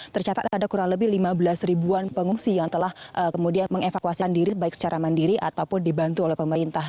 tercatat ada kurang lebih lima belas ribuan pengungsi yang telah kemudian mengevakuasi diri baik secara mandiri ataupun dibantu oleh pemerintah